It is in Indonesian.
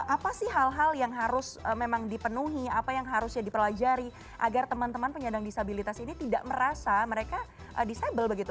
apa sih hal hal yang harus memang dipenuhi apa yang harusnya dipelajari agar teman teman penyandang disabilitas ini tidak merasa mereka disable begitu